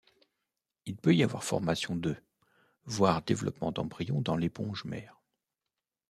Il peut y avoir formation d'œufs, voire développement d'embryons dans l'éponge mère.